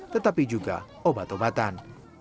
tetapi juga obat obatan